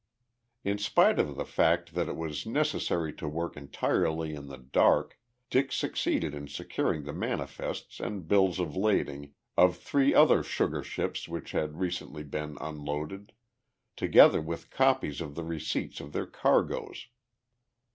In spite of the fact that it was necessary to work entirely in the dark, Dick succeeded in securing the manifests and bills of lading of three other sugar ships which had recently been unloaded, together with copies of the receipts of their cargoes.